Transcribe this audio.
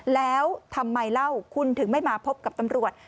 แล้วทำไมเล่าคุณถึงไม่มาพบกับตำรวจ